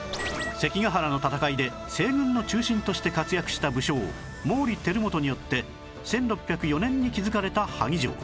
関ヶ原の戦いで西軍の中心として活躍した武将毛利輝元によって１６０４年に築かれた萩城